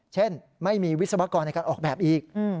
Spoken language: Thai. เช่นไม่มีวิศวกรในการออกแบบอีก